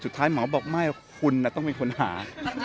สุดท้ายหมอบอกไม่คุณต้องเป็นคนหา